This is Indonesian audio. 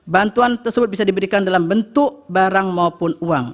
bantuan tersebut bisa diberikan dalam bentuk barang maupun uang